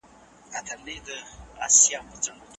ما به څنګه څوک پیدا کي زما زګېروی به څنګه اوري